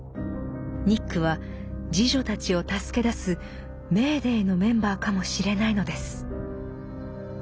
ニックは侍女たちを助け出す「メーデー」のメンバーかもしれないのです。